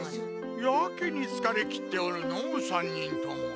やけにつかれ切っておるのう３人とも。